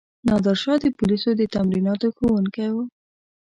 نادرشاه د پولیسو د تمریناتو ښوونکی وو.